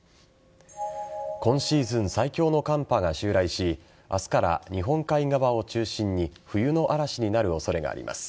今シーズン最強の寒波が襲来し明日から日本海側を中心に冬の嵐になる恐れがあります。